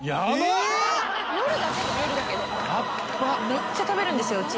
めっちゃ食べるんですようち。